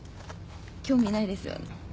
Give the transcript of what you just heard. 興味ないですよね？